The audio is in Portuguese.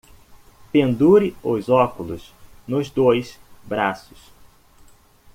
Pendure os óculos nos dois braços.